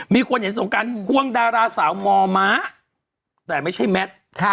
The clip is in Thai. มีคนเห็นสงการควงดาราสาวม้าแต่ไม่ใช่แมท